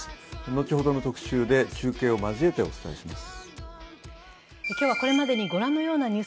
後ほど中継を交えてお伝えします。